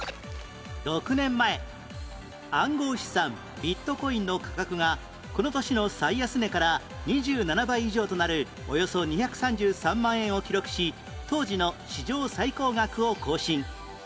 ６年前暗号資産ビットコインの価格がこの年の最安値から２７倍以上となるおよそ２３３万円を記録し当時の史上最高額を更新